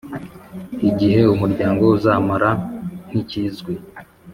Igihe umuryango uzamara ntikizwi